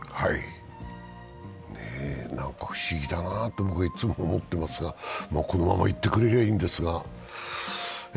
何か不思議だなと僕はいつも思ってますがこのままいってくれればいいんですが。